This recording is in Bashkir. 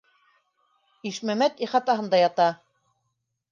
Ишмәмәт ихатаһында ята.